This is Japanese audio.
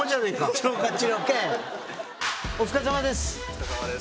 お疲れさまです